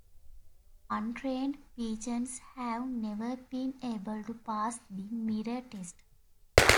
Untrained pigeons have never been able to pass the mirror test.